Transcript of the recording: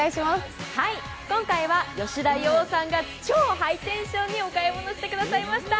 今回は吉田羊さんが超ハイテンションにお買い物してくださいました。